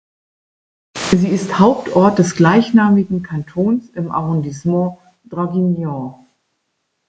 Sie ist Hauptort des gleichnamigen Kantons im Arrondissement Draguignan.